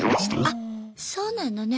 あっそうなのね。